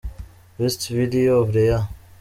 Best video of the Year.